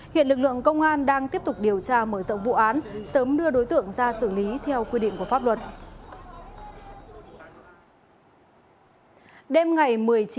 hiện lực lượng công an đang tiếp tục điều tra mở rộng vụ án sớm đưa đối tượng ra xử lý theo quy định của pháp luật